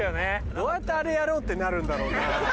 どうやってあれやろうってなるんだろうな。